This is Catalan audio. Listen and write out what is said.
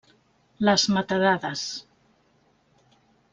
Les metadades.